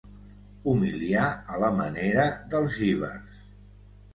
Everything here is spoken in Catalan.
Humiliar a la manera dels jívars.